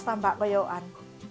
saya harus menguruskan